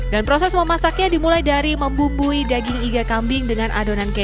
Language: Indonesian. dan proses memasaknya dimulai dari membumbui daging iga kambing dengan adonan kek